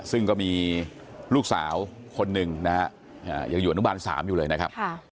ซึ่งก็มีลูกสาวคนหนึ่งนะฮะยังอยู่อนุบาล๓อยู่เลยนะครับ